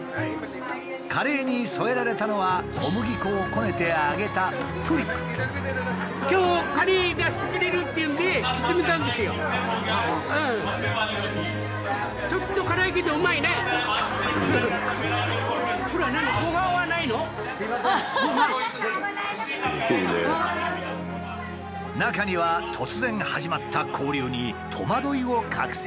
カレーに添えられたのは小麦粉をこねて揚げた中には突然始まった交流に戸惑いを隠せない人も。